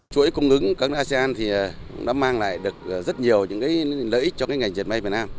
chuỗi cung ứng asean đã mang lại rất nhiều lợi ích cho ngành dân may việt nam